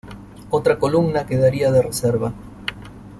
Otra columna quedaría de reserva.